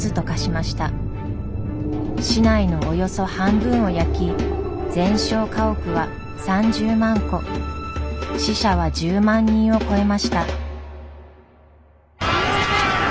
市内のおよそ半分を焼き全焼家屋は３０万戸死者は１０万人を超えました。